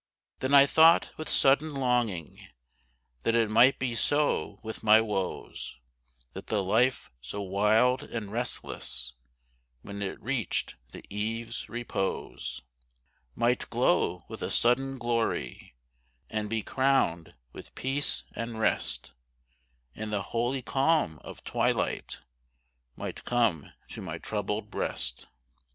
Then I thought with sudden longing, That it might be so with my woes; That the life so wild and restless, When it reached the eve's repose, Might glow with a sudden glory, And be crowned with peace and rest; And the holy calm of twilight Might come to my troubled breast.